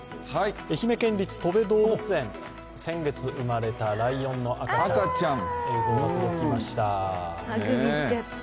愛媛県立とべ動物園、先月生まれたライオンの赤ちゃん、映像が届きました。